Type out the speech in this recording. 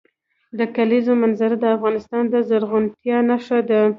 د کلیزو منظره د افغانستان د زرغونتیا نښه ده.